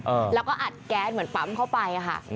เออแล้วก็อัดแก๊สเหมือนปั๊มเข้าไปอะค่ะ